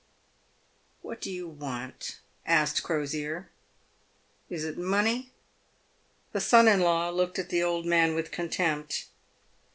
" What do you want ?" asked Crosier. " Is it money ?" The son in law looked at the old man with contempt.